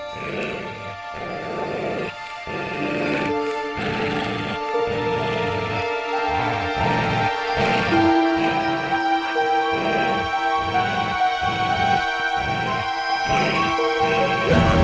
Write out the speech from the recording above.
brit mau masukaron